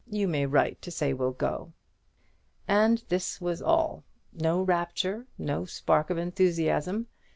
You may write to say we'll go." And this was all; no rapture, no spark of enthusiasm.